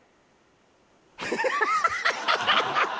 ハハハハハ！